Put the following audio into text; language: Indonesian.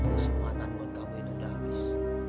kesempatan buat kamu itu udah habis